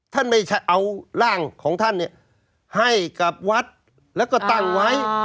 ไม่ใช่เอาร่างของท่านให้กับวัดแล้วก็ตั้งไว้